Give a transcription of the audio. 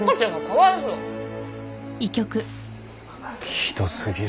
ひどすぎる。